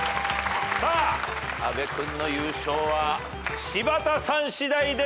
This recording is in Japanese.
さあ阿部君の優勝は柴田さん次第でございます。